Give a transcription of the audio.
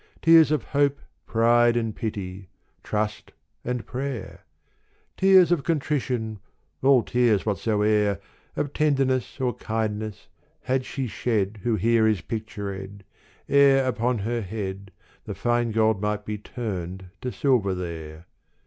Tears of hope, pride and pity, trust and prayer : Tears of contrition, all tears whatso'er, Of tenderness or kindness had she shed Who here is pictured, ere upon her head The fine gold might be turned to silver there.